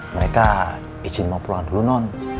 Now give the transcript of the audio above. mereka izin mau pulang dulu non